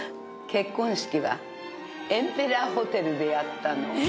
結婚式はエンペラーホテルでやったの。